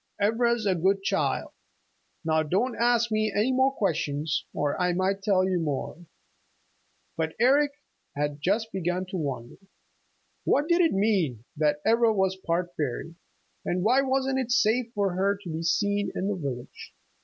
Ivra's a good child. Now don't ask me any more questions, or I might tell you more." But Eric had begun to wonder. What did it mean, that Ivra was part fairy? And why wasn't it safe for her to be seen in the village?